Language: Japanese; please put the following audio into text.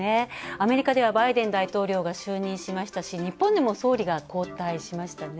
アメリカではバイデン大統領が就任しましたし日本でも総理が交代しましたね。